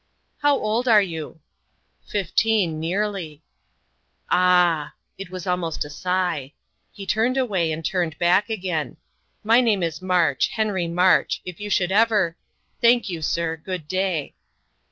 "How old are you?" "Fifteen, nearly." "Ah!" it was almost a sigh. He turned away, and turned back again. "My name is March Henry March; if you should ever " "Thank you, sir. Good day."